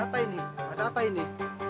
apa ini ada apa ini